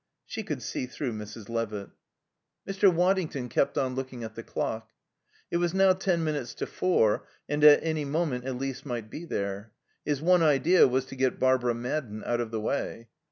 She could see through Mrs. Levitt. Mr. Waddington kept on looking at the clock. It was now ten minutes to four, and at any moment Elise might be there. His one idea was to get Barbara Madden out of the way.